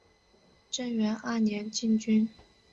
正元二年进军。